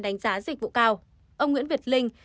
đánh giá dịch vụ cao ông nguyễn việt linh